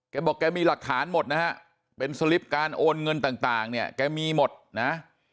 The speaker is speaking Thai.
แกบอกแกมีหลักฐานหมดนะฮะเป็นสลิปการโอนเงินต่างเนี่ยแกมีหมดนะ